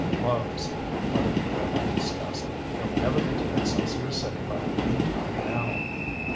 "Closed!" muttered Doyle in disgust. "We'll never get to Excelsior City by game time now!"